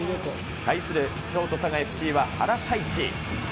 対する京都ＦＣは、原大智。